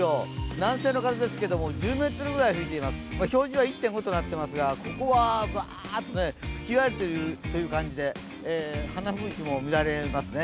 南西の風ですけれども、１０メートルぐらい吹いています、表示は１．５となっていますが、ここはブワーっと吹き荒れているという感じで花吹雪も見られますね。